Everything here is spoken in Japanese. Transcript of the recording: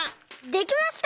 できました！